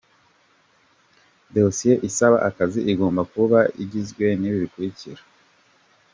Dossier isaba akazi igomba kuba igizwe n’ibi bikurikira :